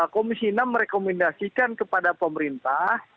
komisi enam merekomendasikan kepada pemerintah